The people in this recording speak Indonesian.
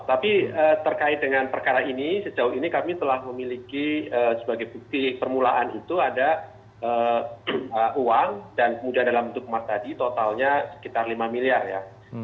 tapi terkait dengan perkara ini sejauh ini kami telah memiliki sebagai bukti permulaan itu ada uang dan kemudian dalam bentuk emas tadi totalnya sekitar lima miliar ya